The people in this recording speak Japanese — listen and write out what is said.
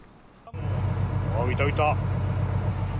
浮いた、浮いた。